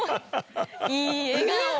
いい笑顔。